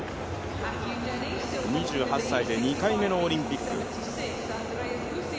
２８歳で２回目のオリンピック。